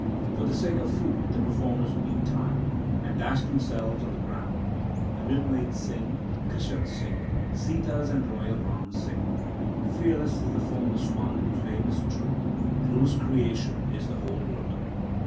For the sake of food the performers beat time, And dash themselves on the ground. The milkmaids sing, Krishans sing, Sitas and royal Rams sing. Fearless is the Formless One, whose name is true, And whose creation is the whole world.